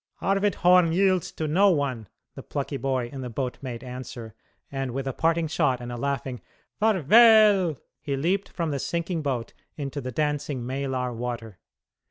"Arvid Horn yields to no one," the plucky boy in the boat made answer, and with a parting shot and a laughing "Farväl!" he leaped from the sinking boat into the dancing Maelar water.